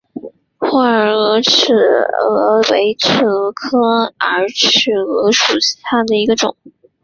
妖洱尺蛾为尺蛾科洱尺蛾属下的一个种。